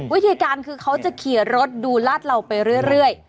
วิธีการคือเขาจะขี่รถดูลาดเหล่าไปเรื่อย